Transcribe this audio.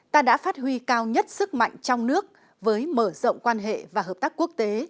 ta đã phát huy cao nhất sức mạnh trong nước với mở rộng quan hệ và hợp tác quốc tế